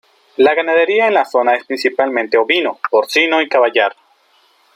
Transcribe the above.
La ganadería en la zona es principalmente ovino, porcino y caballar.